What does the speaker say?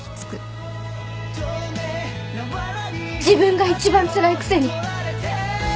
自分が一番つらいくせに。